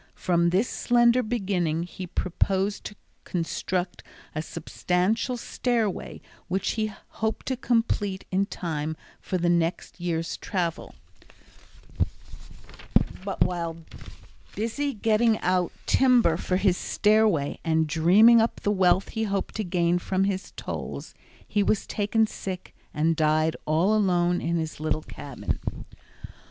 From this slender beginning he proposed to construct a substantial stairway which he hoped to complete in time for the next year's travel, but while busy getting out timber for his stairway and dreaming of the wealth he hoped to gain from tolls, he was taken sick and died all alone in his little cabin.